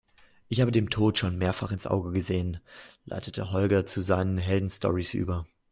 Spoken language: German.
Ich habe dem Tod schon mehrfach ins Auge gesehen, leitete Holger zu seinen Heldenstorys über.